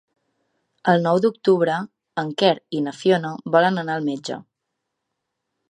El nou d'octubre en Quer i na Fiona volen anar al metge.